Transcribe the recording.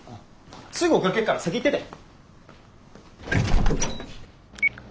すぐ追っかけっから先行ってて。